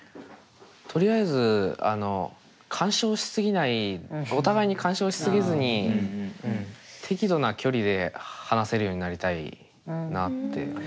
とりあえずあの干渉し過ぎないお互いに干渉し過ぎずに適度な距離で話せるようになりたいなって。